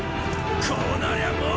こうなりゃァ